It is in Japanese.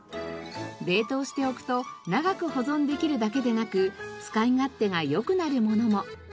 冷凍しておくと長く保存できるだけでなく使い勝手がよくなるものも。